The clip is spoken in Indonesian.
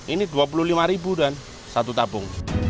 ini rp dua puluh lima dan satu tabung